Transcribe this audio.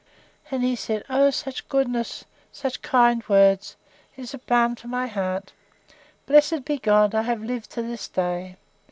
—He said, O such goodness! Such kind words! It is balm to my heart! Blessed be God I have lived to this day!